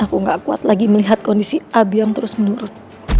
aku gak kuat lagi melihat kondisi abi yang terus menurun